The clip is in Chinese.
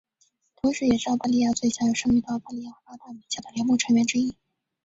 同时也是澳大利亚最享有盛誉的澳大利亚八大名校的联盟成员之一。